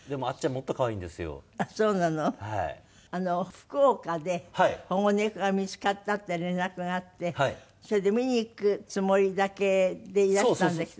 福岡で保護猫が見付かったって連絡があってそれで見に行くつもりだけでいらしたんだけど。